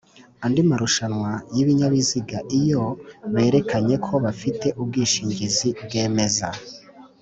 Andi marushanwa y ibinyabiziga iyo berekanye ko bafite ubwishingizi bwemeza